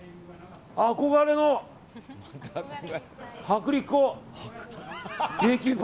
憧れの薄力粉！